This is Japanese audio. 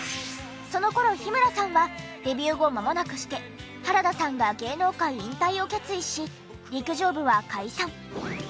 その頃日村さんはデビュー後まもなくして原田さんが芸能界引退を決意し陸上部は解散。